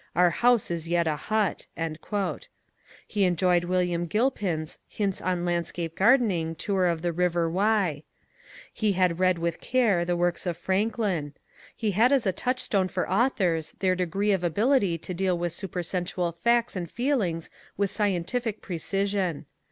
Our house is yet a hut." He enjoyed Wil liam Gilpin's ^' Hints on Landscape Gardening : Tour of the Siver Wye." He had read with care the works of Franklin. He had as a touchstone for authors their degree of ability to deal with supersensual facts and feelings with scientific preci sion.